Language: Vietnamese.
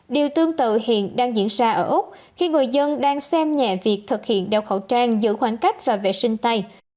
điều tương tự hiện đang diễn ra ở úc khi người dân đang xem nhẹ việc thực hiện đeo khẩu trang giữ khoảng cách và vệ sinh tay